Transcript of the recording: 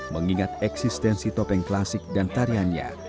mengingat eksistensi topeng klasik dan tariannya